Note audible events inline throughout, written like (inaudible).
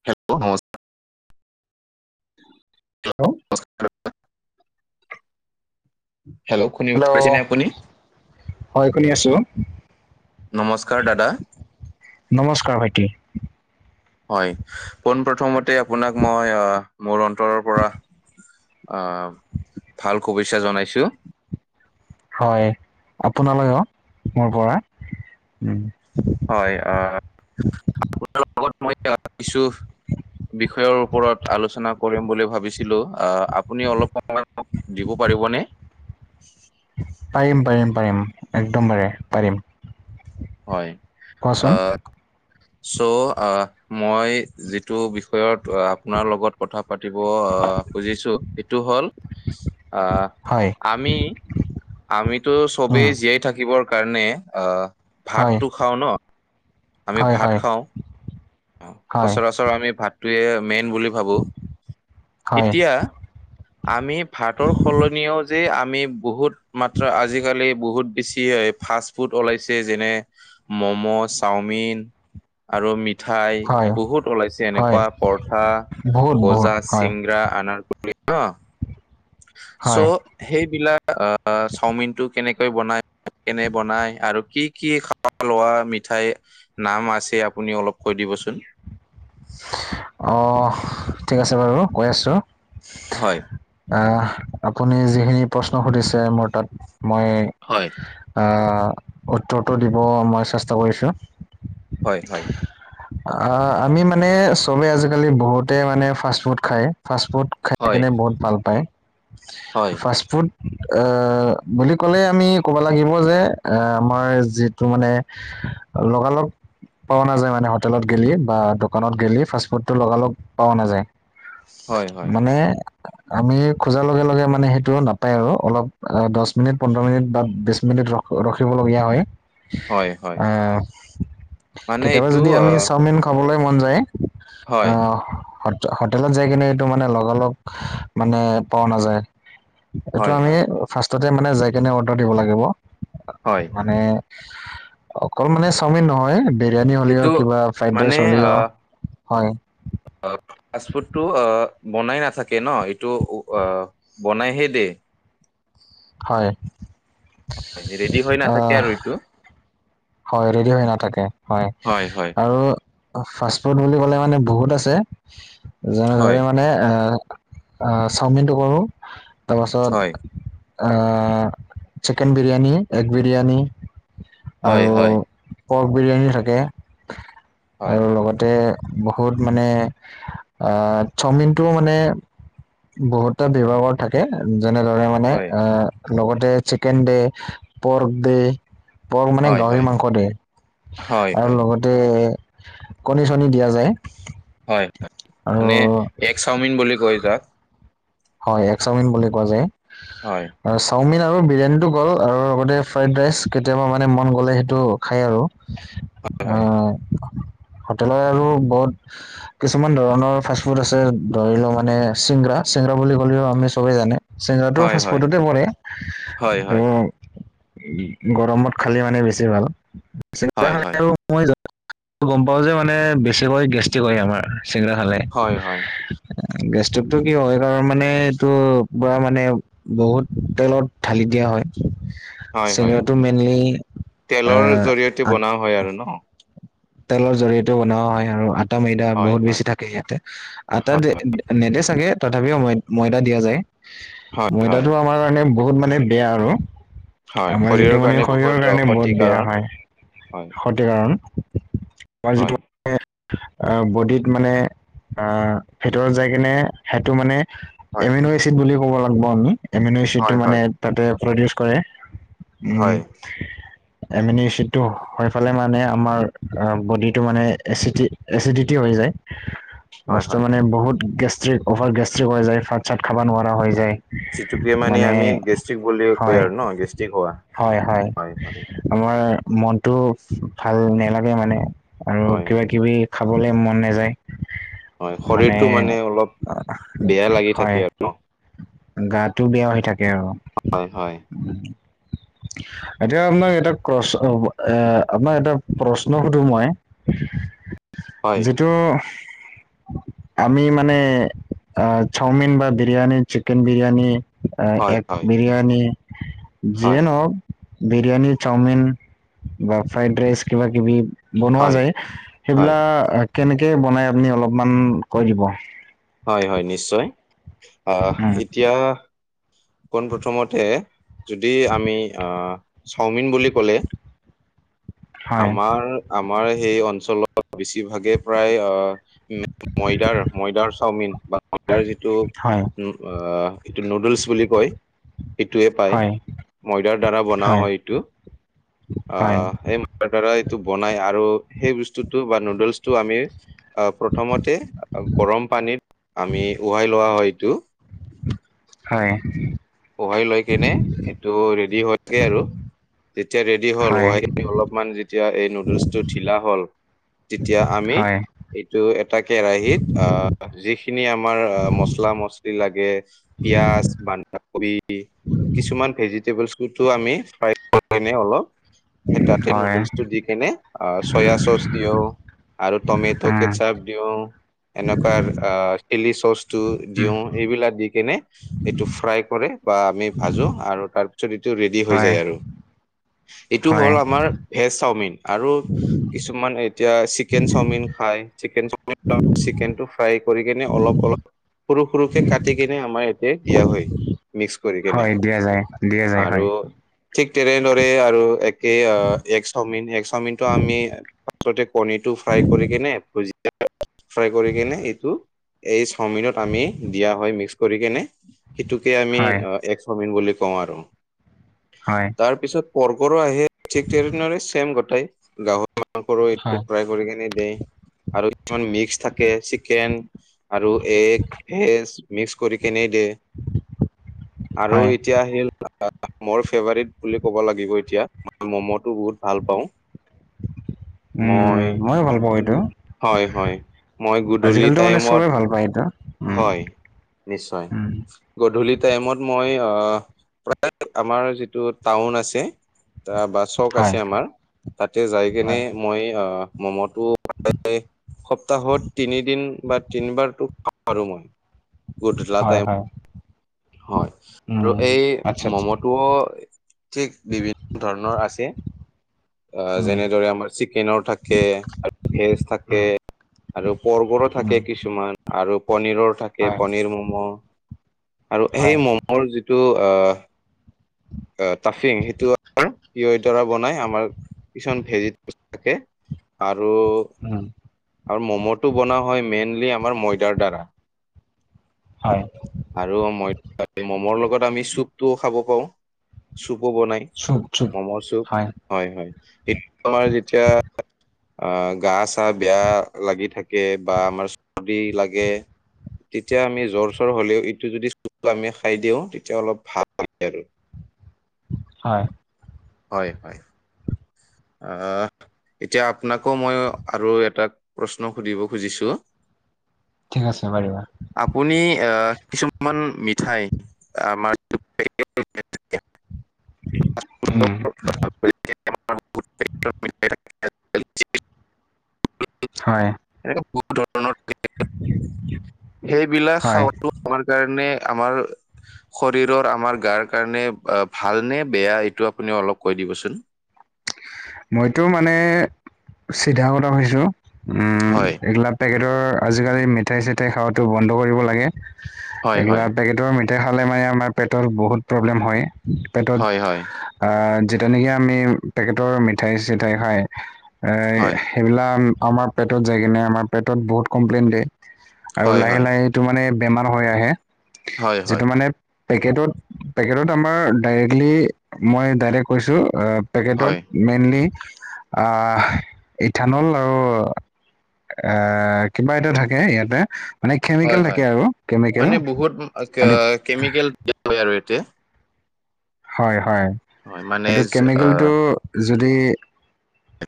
(unintelligible) Hello নমস্কাৰ hello শুনিব পাৰিছে হেল্ল' নে আপুনি? হয়, শুনি আছো। নমস্কাৰ দাদা। নমস্কাৰ ভাইটি। হয়, পোন প্ৰথমতে আপোনাক মই মোৰ অন্তৰৰ পৰা। অ' ভাল শুভেচ্ছা জনাইছোঁ। হয় আপোনালৈও মোৰ পৰা। হয় অ লগত মই কিছু বিষয়ৰ ওপৰত আলোচনা কৰিম বুলি ভাবিছোঁ। আ, আপুনি অলপ সময় দিব পাৰিবনে? পাৰিম, পাৰিম, পাৰিম একদম পাৰিম। হয়, আ, কোৱাচোন চ আ মই যিটো বিষয়ত আপোনাৰ লগত কথা পাতিব, আ, খুজিছো সেইটো হ'ল আ হয় আমি, আমিতো চবেই উম জীয়াই থাকিবৰ কাৰণে আহ হয় ভাতটো খাওঁ ন, আমি হয় ভাত হয় খাওঁ। হয় সচৰাচৰ আমি ভাতটোৱে মেইন বুলি ভাবো হয় এতিয়া আমি ভাতৰ সলনিও যে আমি বহুত মাত্ৰ আজিকালি বহুত বেছি ফাষ্ট ফুড ওলাইছে যেনে মম' চাওমিন আৰু মি ঠাই, হয় বহুত ওলাইছে হয় এনেকুৱা পৰঠা, বহুত বহুত গজা হয় চিংগৰা, আনাৰ (unintelligible) হয় চ' সেইবিলাক চাওমিন টো কেনেকৈ বনাই? কেনে বনাই আৰু কি কি খোৱা লোৱা মিঠাই? নাম আছে আপুনি অলপ কৈ দিবচোন। অঁ ঠিক আছে বাৰু কৈ আছোঁ। হয় আপুনি যিখিনি প্ৰশ্ন সুধিছে মোৰ তাত মই হয়। আহ উত্তৰটো দিব মই চেষ্টা কৰিছোঁ হয় হয়। অ আমি মানে চবে আজিকালি বহুতে মানে ফাষ্ট ফুড খায় ফাষ্টফুড খাই হয় কেনে বহুত ভাল পায়। হয় ফাষ্টফুড অ বুলি ক'লে আমি ক'ব লাগিব যে এ আমাৰ যিটো মানে লগালগ পোৱা নাযায় মানে হোটেলত গেলি বা ডক- দোকানত গেলি ফাষ্টফুডটো লগালগ পাৱা নাযায় হয় হয় মানে আমি খোজাৰ লগে লগে মানে সেইটো নাপায় আৰু অলপ দছ মিনিট পোন্ধৰ মিনিট বা বিশ মিনিট ৰখ- ৰখিবলগীয়া হয়। হয় হয়। অ। মানে কেতিয়াবা এইটো যদি আমি আহ চাওমিন খাবলৈ মন যায়। হয় আহ হট- হোটেলত যাই কিনে এইটো মানে লগালগ মানে পৱা নাযায়। এইটো হয় আমি হয় ফাৰ্ষ্টতে মানে যাই কেনে অৰ্ডাৰ দিব লাগিব। হয়। এ অকল মানে চাওমিন নহয়, বেৰিয়ানী হ'লেও এইটো কিবা ফ্ৰাইড মানে ৰাইচ হ'লিয় হয়। আপ ফাষ্ট ফুডটো আ বনাই নাথাকে ন এইটো অ আ বনাইহে দে। হয়। হয় ৰেডি হৈ আহ নাথাকে আৰু এইটো। হয় ৰেডি হৈ নাথাকে হয়, আৰু ফাষ্ট ফুড বুলি ক'লে মানে বহুত আছে। হয় যেনেদৰে মানে এ চাওমিনটো কৰো তাপাছত হয় আ চিকেন বিৰিয়ানি, এগ বিৰিয়ানি হয় আৰু হয় পৰ্ক বিৰিয়ানী থাকে হয় আৰু লগতে বহুত মানে আহ চাওমিনটো মানে বহুতা বিভাগৰ থাকে। যেনেদৰে মা- মানে হয় লগতে চিকেন দে, পৰ্ক দে বৰ মানে হয় গাহৰি হয় মাংস দে হয়, আৰু হয়, লগত তে কণী চণী দিয়া যায়। হয় (unintelligible) আৰু মানে এগ চাওমিন বুলি কৈ যাক। হয় এগ চাওমিন বুলি কোৱা যায়। হয়। আৰু চাওমিন আৰু বিৰিয়ানীটো গ'ল আৰু লগতে ফ্ৰাইড ৰাইচ কেতিয়াবা মানে মন গ'লে সেইটো খাই আৰু। হয়, আহ হোটেলৰ আৰু বত কিছুমান ধৰণৰ ফাষ্টফুড আছে ধৰি ল মানে চিংৰা চিংৰা বুলি ক'লেও আমি চবেই জানে চিংৰাটো হয়, হয়, ফাষ্টফুডতে পৰে। হয়, ত হয়, গৰমত খালে মানে বেছি ভাল, চিংৰা হয়, খালে হয়, আৰু মই যা গম পাওঁ যে মানে বেছিকৈ গেষ্টিক হয় আমাৰ চিংৰা খালে। হয় হয়। গেষ্টিকটো কি হয় কাৰ মানে এইটো পুৰা মানে বহুত তেলত ঢালি দিয়া হয়। হয়, হয়, চিংৰাটো মেইনলি আ তে বনাও হয় আৰু ন। তেলৰ জৰিয়তেও বনোৱা হয় আৰু আটা ময়দা হয়, বহুত হয়, বেছি থাক- কেৰিয়াতে আটা হয়, দে নেদে চাগে তথাপিও মই ময়দা দিয়া যায়। হয়, হয়, ময়দাটো আমাৰ কাৰণে বহুত মানে বেয়া আৰু। হয়, আমাৰ শৰীৰৰ যিটো মানে কাৰণে বহুত শৰীৰৰ কাৰণে বহুত বেয়া ক্ষতিকাৰক। হয় ্ হয়। ক্ষতি কাৰণ মই হয়, যিটো- বডিত মানে অ ভিতৰত যায় কিনে সেইটো মানে - হয়, এমিন' এচিড বুলি ক'ব লাগিব আমি এমিন হয়, এচিডটো হয়, মানে তাতে প্ৰডিউচ কৰে। হয়, উম এমিনি চিতটো। হৈফালে মানে আমাৰ বডিটো মানে এচি এচিডিটি হৈ যায়। হয়, বস্তু হয়, মানে বহুত গেষ্ট্ৰিক অভাৰ গেষ্ট্ৰিক হৈ যায় ভাত চাত খাব নোৱাৰা হৈ হয়। যায়। যিটোকে মানে আমি গেষ্ট্ৰিক বুলি কয় হয় আৰু ন গেষ্ট্ৰিক হোৱা হয় হয়। আমাৰ মনটো ভাল নালাগে মানে আৰু হয়। কিবা কিবি- খাবলে মন নাযায়। হয়, মানে শৰীৰটো অলপ অহ বেয়া লাগি থাকে হয়। আৰু ন? গাটো বিষ হৈ থাকে আৰু। হয় হয়। এতিয়া আপোনাৰ এটা ক্ৰচ হ'ব। এ আপোনাক এটা প্ৰশ্ন সোধো মই! হয়, যিটো। আমি মানে অ চাওমিন বা বিৰিয়ানী চিকেন বিৰিয়ানী- অ হয়, এগ হয়। বিৰিয়ানী। হয়, যিয়ে নহক বিৰিয়ানী চাওমিন বা ফ্ৰাইড ৰাইচ কিবা কিবি- বনোৱা হয়, যায় হয়, সেইবিলাক কেনেকে বনাই আপুনি অলপমান কৈ দিব। হয় হয় নিশ্চয় আহ উম, এতিয়া- পোন প্ৰথমতে যদি আমি চাওমিন বুলি ক'লে- হয় আমাৰ আমাৰ সেই অঞ্চলত বেছিভাগে প্ৰায় আহ- উ ময়দাৰ ময়দাৰ চাওমিন বা ময়দাৰ যিটো- হয় এইটো উম আহ এইটো নুডলছ বুলি কয়। এইটোৱে পায় হয় ময়দাৰ দ্বাৰা বনাও হয় এইটো হয় আহ- তাৰ দাৰা এইটো বনাই আৰু সেই বস্তুটো বা নুডলছটো আমি- প্ৰথমতে গৰম পানীত আমি উহাই লোৱা হয় এইটো। হয়। উহাই লৈ কেনে এইটো ৰেডি হয়গে আৰু। যেতিয়া ৰেডি হ'ল হয় উাইখিনি অলপমান যেতিয়া এই নুডলছটো ঢিলা হ'ল- তেতিয়া আমি- এইটো এটা কেৰাহিত অ যিখিনি আমাৰ অ মচলা মছলি লাগে। পিয়াজ বন্ধাকবি কিছুমান ভেজিটেবলছ- সেইটো আমি ফ্ৰাই কৰি কেনে অলপ- তাতে হয় নুডলছটো দি কেনে অ চয়া চচ দিওঁ। আৰু টমেট' হয় উম, কেচাপ দিওঁ এনেকুৱা আৰু- আহ চিলি চচটো উম, দিওঁ এইবিলাক দি কেনে এইটো- ফ্ৰাই কৰে বা আমি ভাজো আৰু তাৰ পিছত এইটো ৰেডি হৈ হয় যায় আৰু। এইটো হয় হ'ল আমাৰ ভেজ চাওমিন আৰু- কিছুমান এতিয়া চিকেন চাওমিন খাই চিকেন চাওমিন চিকেনটো ফ্ৰাই কৰি কিনে অলপ অলপ- সৰু সৰুকে কাটি কিনে আমাৰ ইয়াতে- দিয়া হয় মিক্স কৰি কেনে হয় দিয়া যায় দিয়া যায় হয় আৰু- ঠিক তেনেদৰে আৰু এক- এই এগ চাওমিন এগ চাওমিন টো আমি পাছতে কণী টো ফ্ৰাই কৰি ভুজি- ফ্ৰাই কৰি কেনে এইটো- এই চওমিনত আমি দিয়া হয় মিক্স কৰি কিনে সেইটোকে আমি হয় এগ চাওমিন বুলি কওঁ আৰু। হয়। তাৰ পিছত পৰ্কো আহে ঠিক তেনেদৰে চেম গটাই গাহত পৰ্কৰ এইটো হয় ফ্ৰাই কৰি কিনে দিয়ে আৰু কিছুমান মিক্স থাকে চিকেন আৰু এগ ভেজ মিক্স কৰি কেনে দে। আৰু হয় এতিয়া আহিল মোৰ ফেভাৰিট বুলি ক'ব লাগিব এতিয়া মই ম'ম'টো বহুত ভাল পাওঁ। উম, মই ময়ো ভাল পাওঁ এইটো হয় হয় মই গধূলি আজিকালিতো মানে চবে টাইমত ভাল পায় এইটো উম হয় নিশ্চয় উম গধূলি টাইমত মই প্ৰায় আমাৰ যিটো টাউন আছে ত বাচক হয় আছে আমাৰ তাতে যাই কেনে হয় মই অ', মমটো সপ্তাহত তিনিদিন বা তিনিবাৰতো খাওঁ আৰু মই। গধূলা হয় টাই হয় হয় আৰু উম এই আচ্ছা ম'ম আচ্ছা ত ঠিক বিভিন্ন ধৰণৰ আছে অ', উম যেনেদৰে আমাৰ চিকেনৰ থাকে আৰু ভেজ থাকে উম আৰু পৰ্গৰো উম থাকে কিছুমান আৰু পনীৰৰ থাকে হয় পনীৰ মম' আৰু হয় সেই মমৰ যিটো অ অ', তাফিং সেইটো বনাই আমাৰ কিছুমান ভেজিটেবল থাকে আৰু উম, আৰু ম'ম'টো বনোৱা হয় মেইনলি আমাৰ ময়দাৰ দ্বাৰা হয় আৰু মই মমৰ লগত আমি চুপটোও খাব পাওঁ চুপো বনাই চুপ চুপ মম' চুপ হয় হয়টো আমাৰ যেতিয়া অ', গা চা বেয়া লাগি থাকে বা আমাৰ চৰ্দি লাগে তেতিয়া আমি জ্বৰ চৰ হ'লেও ইটো যদি আমি খাই দিওঁ তেতিয়া অলপ ভাল আৰু হয় হয় হয় আহ এতিয়া আপোনাকো মই আৰু এটা প্ৰশ্ন সুধিব খুজিছো (inaudible) ঠিক আছে পাৰিবা আপুনি কিছুমান মিঠাই আমাৰ (unintelligible) উম, (unintelligible) হয়। এনেকে বহুত ধৰণৰ (unintelligible) সেইবিলাক হয় খাওটো আমাৰ কাৰণে আমাৰ শৰীৰৰ আমাৰ গাৰ কাৰণে ভাল নে বেয়া এইটো আপুনি অলপ কৈ দিবচোন। মইতো মানে চিধা কথা ভাবিছো উম হয় এইগিলা পেকেটৰ আজিকালি মিঠাই চিঠাই খোৱাাতো বন্ধ কৰিব লাগে হয় এইগিলা হয় পেকেট ভটৰ মিঠাই খালে মানে আমাৰ পেটত বহুত প্ৰব্লেম হয়। পেটত হয় হয় (unintelligible) আহ যেতিয়া নেকি আমি পেকেটৰ মিঠাই-চিঠাই খাই এ হয় (unintelligible) সেইবিলাক আমাৰ পেটত যায় কিনে আমাৰ পেটত বহুত কমপ্লেইন দিয়ে আৰু হয় হয় লাহে-লাহে (unintelligible) সেইটো মানে বেমাৰ হৈ আহে। হয় হয় যিটো মানে (inaudible) পেকেটত-পেকেটত আমাৰ ডাইৰেক্টলি মই ডাইৰেক্ট কৈছোঁ (unintelligible) হয়। পেকেটত মেইনলি আহ ইথানল আৰু (inaudible) এ কিবা এটা থাকে ইয়াতে (unintelligible) মানে কেমিকেল হয় থাকে হয় আৰু কেমিকেল। মানে বহুত (inaudible) আৰু (unintelligible) কেমিকেল দিয়া হয় আৰু ইয়াতে। (unintelligible) হয়-হয়। হয় মানে এইটো জ- আহ, কেমিকেলটো (unintelligible) যদি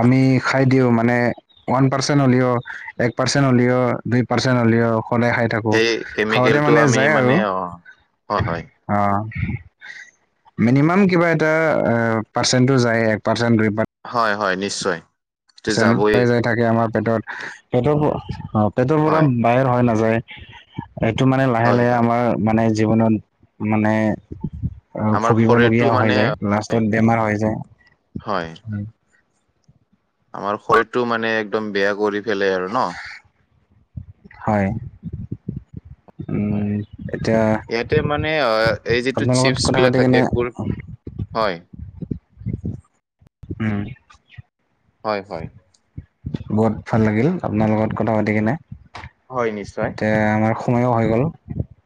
আমি খাই দিওঁ মানে (unintelligible) ওৱান পাৰ্চেণ্ট হ'লেও, এক পাৰ্চেন্ট হ'লেও, দুই পাৰ্চেন্ট হ'লেও সদায় খাই থাকো সেই (unintelligible) (unintelligible) খাওঁতে কেমিকেলটো মানে আমি যায় মানে আৰু। অ হয় হয় অঁ! মিনিমাম কিবা এটা এ পাৰ্চেন্টটো যায় এক পাৰ্চেন্ট, দুই (unintelligible) হয়-হয, নিশ্চয়। (unintelligible) পাৰ্চেন্ট যাবই পাই যাই থাকে আমাৰ। পেটত পেটৰ পৰা অ পেটৰ পৰা হয় বাহিৰ হয় নাযায়। (unintelligible) এইটো মানে হয় লাহে-লাহে হয় আমাৰ মানে জীৱনত মানে (inaudible) অ, আমাৰ শৰীৰটো ভুগিবলগীয়া মানে হৈ যায়। হয় লাষ্টত বেমাৰ হৈ যায়। হয় (inaudible) আমাৰ শৰীৰটো মানে একদম বেয়া কৰি পেলাই আৰু ন? (unintelligible) হয়। (inaudible) হয়। এতিয়া ইয়াতে মানে এই যিটো আপোনাৰ লগত কথা চিপচবিলাক পাতি থাকে কিনে কোৰ (unintelligible) হয়। (inaudible) উম। (inaudible) হয়-হয়। (unintelligible) বহুত ভাল লাগিল আপোনাৰ লগত কথা পাতি কিনে। (unintelligible) হয়, নিশ্চয়। (unintelligible) এয়া আমাৰ সময়ো হৈ গ'ল। (inaudible)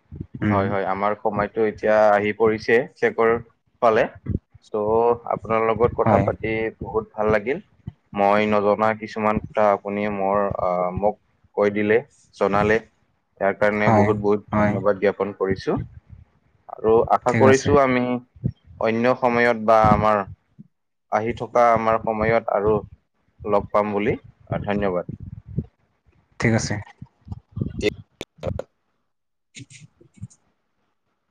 উম হয়-হয়, আমাৰ সময়ত (unintelligible) (unintelligible) টো এতিয়া আহি পৰিছে শেষৰ ফালে, চ' (unintelligible) আপোনাৰ লগত কথা হয় পাতি বহুত ভাল লাগিল। (inaudible) মই নজনা কিছুমান কথা আপুনি মোৰ আহ মোক কৈ দিলে। (inaudible) জনালে ইয়াৰ কাৰণে হয় বহুত-বহুত হয় ধন্যবাদ জ্ঞাপন (unintelligible) কৰিছোঁ আৰু আশা ঠিক আছে কৰিছোঁ আমি (inaudible) অন্য সময়ত বা আমাৰ (inaudible) আহি থকা আমাৰ সময়ত আৰু লগ পাম বুলি ধন্যবাদ। (unintelligible) ঠিক আছে। (inaudible) অ (unintelligible)